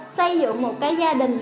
xây dựng một cái gia đình